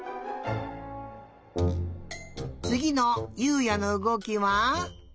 つぎの優海也のうごきは。